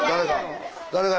誰が？